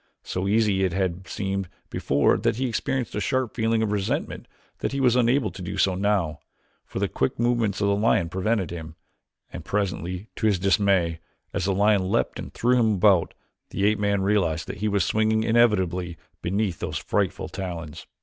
So easy it had seemed before that he experienced a sharp feeling of resentment that he was unable to do so now, for the quick movements of the lion prevented him, and presently, to his dismay, as the lion leaped and threw him about, the ape man realized that he was swinging inevitably beneath those frightful talons.